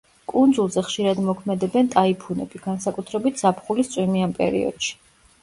კუნძულზე ხშირად მოქმედებენ ტაიფუნები, განსაკუთრებით ზაფხულის წვიმიან პერიოდში.